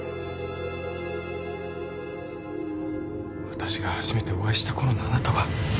わたしが初めてお会いしたころのあなたは。